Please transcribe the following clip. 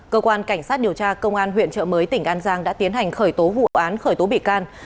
cơ quan cảnh sát điều tra công an huyện trợ mới tỉnh an giang đã tiến hành khởi tố vụ án khởi tố bị can